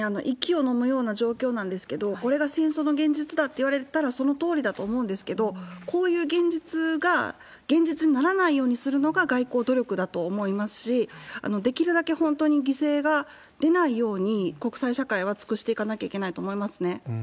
息をのむような状況なんですけど、これが戦争の現実だって言われたら、そのとおりだと思うんですけど、こういう現実が現実にならないようにするのが外交努力だと思いますし、できるだけ本当に犠牲が出ないように、国際社会は尽くしていかなきゃいけないと思いますね。